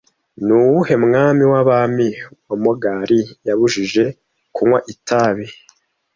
Ni uwuhe mwami w'abami wa Mogali yabujije kunywa itabi